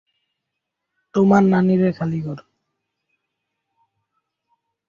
রবার্টসের সৎ বাবা-মার নাম এলিজা রবার্টস এবং নিকেলস।